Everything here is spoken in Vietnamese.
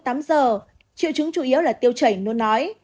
triệu chứng chủ yếu là tiêu chảy nó nói